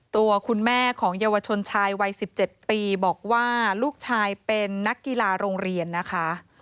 ตัวคุณแม่ของเยาวชนชายวัย๑๗ปีบอกว่าลูกชายเป็นนักกีฬาโรงเรียนนะคะ